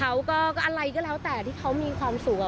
อะไรก็แล้วแต่ที่เขามีความสุข